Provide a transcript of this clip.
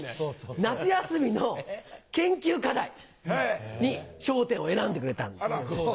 夏休みの研究課題に『笑点』を選んでくれたんです。